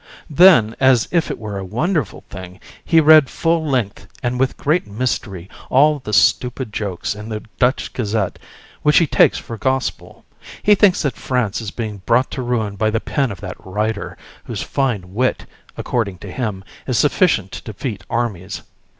Then, as if it were a wonderful thing, he read full length and with great mystery all the stupid jokes in the Dutch Gazette, which he takes for gospel. He thinks that France is being brought to ruin by the pen of that writer, whose fine wit, according to him, is sufficient to defeat armies.